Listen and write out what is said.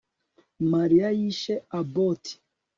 Mariya yishe Abbott